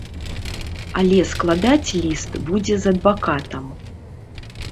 Але складаць ліст будзе з адвакатам.